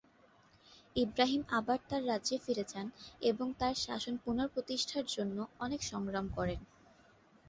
ইব্রাহিম আবার তার রাজ্যে ফিরে যান এবং তার শাসন পুনঃপ্রতিষ্ঠার জন্য অনেক সংগ্রাম করেন।